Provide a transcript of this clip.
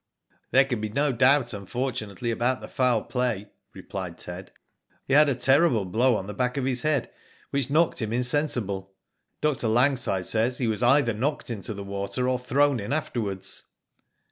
'* There can be no doubt, unfortunately, about the foul play," replied Ted. He had a terrible blow on the back of his head which knocked him insensible. Dr. Langside says he was either knocked into the water or thrown in afterwards."